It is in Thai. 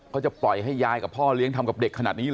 จะปล่อยให้ยายกับพ่อเลี้ยงทำกับเด็กขนาดนี้เห